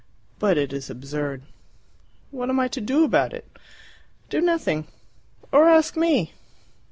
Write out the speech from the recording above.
But it is absurd!" "What am I to do about it?" "Do nothing. Or ask me!"